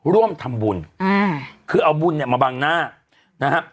ร่วมทำบุญอ่าคือเอาบุญเนี่ยมาบังหน้านะฮะ